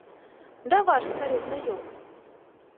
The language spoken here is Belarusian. Да ваш стары знаёмы.